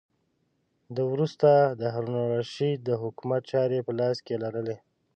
ده وروسته د هارون الرشید د حکومت چارې په لاس کې لرلې.